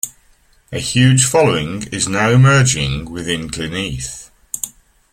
A huge following is now emerging within Glynneath.